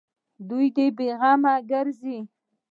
او دوى بې غمه گرځي.